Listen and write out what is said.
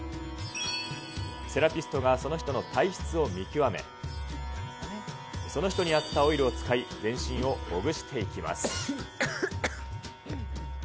セラピストがその人の体質を見極め、その人に合ったオイルを使い、全身をほぐしていきます。